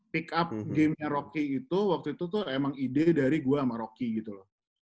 pick up gamenya rocky itu waktu itu tuh emang ide dari gue sama rocky gitu loh